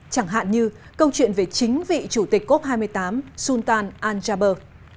chẳng hạn như câu chuyện về chính vị chủ tịch cốp hai mươi tám sultan al jaber